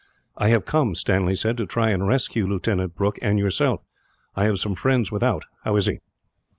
"I have come," Stanley said, "to try and rescue Lieutenant Brooke, and yourself. I have some friends without. How is he?"